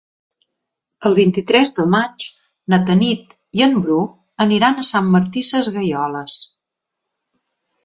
El vint-i-tres de maig na Tanit i en Bru aniran a Sant Martí Sesgueioles.